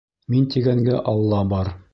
Мин тигәнгә Алла бар